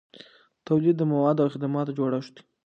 تولید د موادو او خدماتو جوړښت دی.